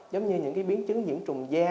giống như những biến chứng diễn trùng da